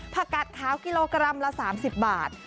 ผักกัดขาวกิโลกรัมละ๓๐บาท